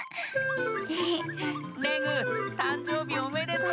レグたんじょうびおめでとう。